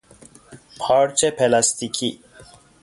پارچ پلاستیکی